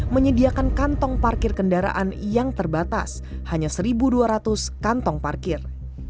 menyediakan kantong parkir kendaraan yang terbatas hanya satu dua ratus kantong parkir